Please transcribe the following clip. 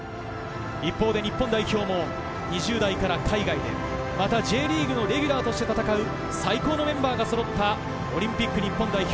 一方で日本代表も２０代から海外でＪリーグのレギュラーとして戦う最高のメンバーがそろったオリンピック日本代表。